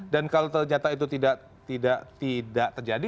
dan kalau ternyata itu tidak terjadi